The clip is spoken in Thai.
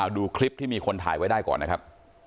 ดูคลิปที่มีคนถ่ายไว้ได้ก่อนนะครับ